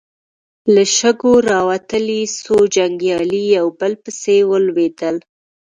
له شګو راوتلې څو جنګيالي يو په بل پسې ولوېدل.